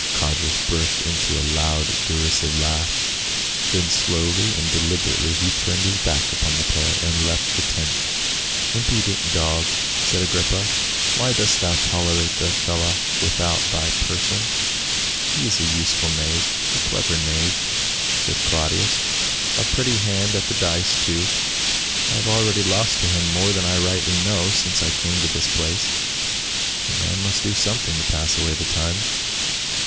Codrus burst into a loud derisive laugh, then slowly and deliberately he turned his back upon the pair and left the tent. "Impudent dog!" said Agrippa, " Why dost thou tolerate the fellow about thy person?" CLAUDIUS Cj^SAB. 213 " He is a useful knave — a clever knave," said Clau dius. " A pretty hand at the dice too ; I have already lost to him more than I rightly know since I came to this place ; a man must do something to pass away the time."